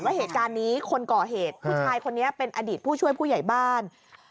ว่าเหตุการณ์นี้คนก่อเหตุผู้ชายคนนี้เป็นอดีตผู้ช่วยผู้ใหญ่บ้าน